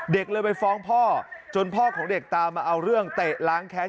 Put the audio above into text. เด็กเลยไปฟ้องพ่อจนพ่อของเด็กตามมาเอาเรื่องเตะล้างแค้น